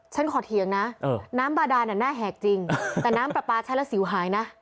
ฉันขอเถียงนะน้ำบาดานหน้าแหกจริงแต่น้ำปลาปลาใช้แล้วสิวหายนะ